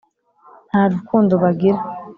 ntarukundo bagira